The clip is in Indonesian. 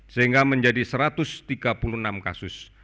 sehingga menjadi satu ratus tiga puluh enam kasus